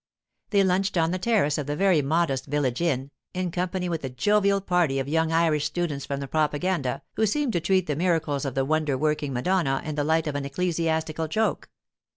They lunched on the terrace of the very modest village inn, in company with a jovial party of young Irish students from the Propaganda who seemed to treat the miracles of the wonder working Madonna in the light of an ecclesiastical joke.